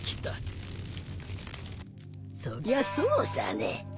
そりゃそうさね